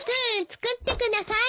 作ってください。